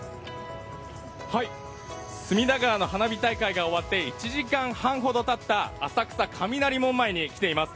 隅田川の花火大会が終わって、１時間半ほどがたった浅草・雷門前に来ています。